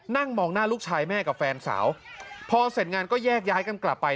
มองหน้าลูกชายแม่กับแฟนสาวพอเสร็จงานก็แยกย้ายกันกลับไป